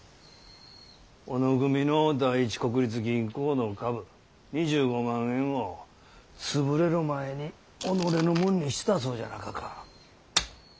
小野組の第一国立銀行の株２５万円を潰れる前に己のもんにしたそうじゃなかか。